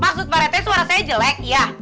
maksud pak rette suara saya jelek iya